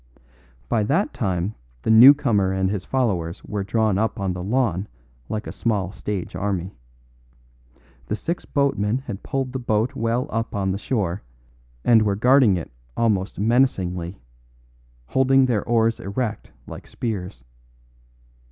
By that time the new comer and his followers were drawn up on the lawn like a small stage army. The six boatmen had pulled the boat well up on shore, and were guarding it almost menacingly, holding their oars erect like spears.